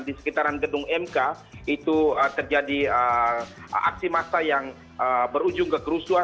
di sekitaran gedung mk itu terjadi aksi massa yang berujung ke kerusuhan